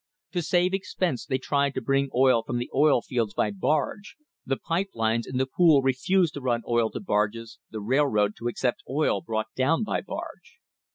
To save expense they tried to bring oil from the oil fields by barge; the pipe lines in the pool refused to run oil to barges, the railroad to accept oil brought down by barge.